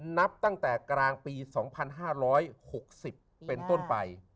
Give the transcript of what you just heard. นับตั้งแต่กลางปี๒๕๖๐เป็นต้นไป